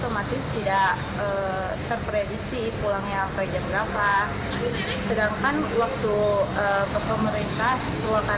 menurut saya tidak terlupa